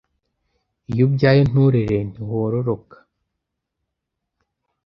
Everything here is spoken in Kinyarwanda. Iyo ubyaye nturere ntiwororoka,